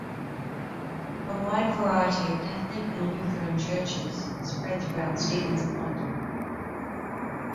A wide variety of Catholic and Lutheran churches spread throughout Stevens Point.